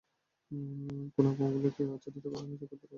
কোণাগুলিকে আচ্ছাদিত করা হয়েছে ক্ষুদ্র অর্ধ-গম্বুজাকৃতি স্কুইঞ্চ দ্বারা।